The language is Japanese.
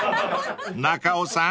［中尾さん